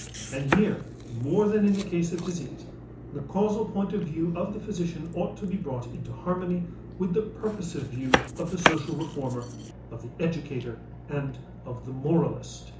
And here more than in the case of disease, the causal point of view of the physician ought to be brought into harmony with the purposive view of the social reformer, of the educator and of the moralist.